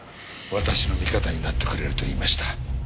私の味方になってくれると言いました。